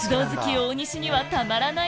大西にはたまらない